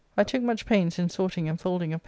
I took much pains in sorting and folding of papers.